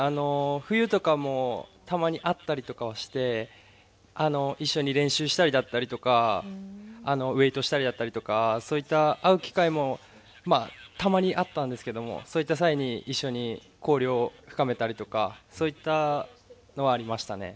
冬とかもたまに会ったりとかはして一緒に練習したりだったりとかウエイトしたりだったりとかそういった会う機会もたまにあったんですけどもそういった際に一緒に交流を深めたりとかそういったのはありましたね。